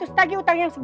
udah minta nah gue